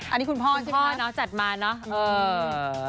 อันนี้คุณพ่อใช่ไหมครับคุณพ่อจัดมาเนอะเออ